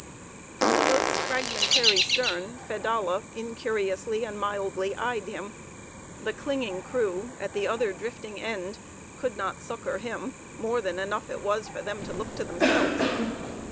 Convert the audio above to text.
From the boat's fragmentary stern, Fedallah incuriously and mildly eyed him; the clinging crew, at the other drifting end, could not succor him; more than enough was it for them to look to themselves.